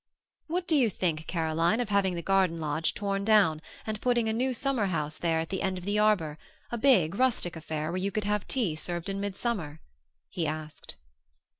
"What do you think, Caroline, of having the garden lodge torn down and putting a new summer house there at the end of the arbor; a big rustic affair where you could have tea served in midsummer?" he asked.